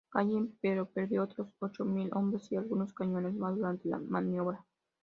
Gallen, pero perdió otros ocho mil hombres y algunos cañones más durante la maniobra.